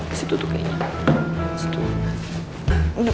di situ tuh kayaknya